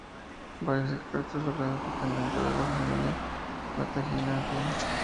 Varios expertos lo clasifican dentro de la familia Plantaginaceae.